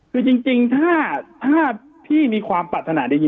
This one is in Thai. คือจริงถ้าพี่มีความปรัฐนาดี